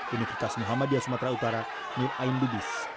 universitas muhammadiyah sumatera utara nur ayn lubis